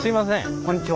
こんにちは。